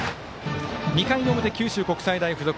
２回の表、九州国際大付属。